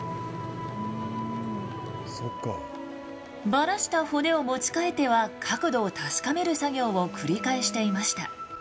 ばらした骨を持ち替えては角度を確かめる作業を繰り返していました。